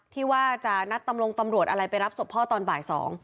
ที่ว่าจะนัดตำรงตำรวจอะไรไปรับศพพ่อตอนบ่าย๒